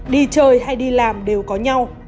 đi chơi hay đi làm đều có nhau